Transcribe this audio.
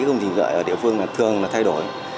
công trình thủy lợi ở địa phương thường thay đổi